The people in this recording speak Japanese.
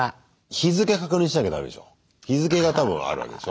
日付が多分あるわけでしょ。